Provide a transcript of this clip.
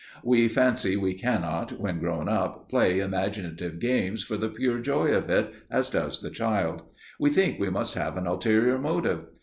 We fancy we cannot, when grown up, play imaginative games for the pure joy of it, as does the child; we think we must have an ulterior motive.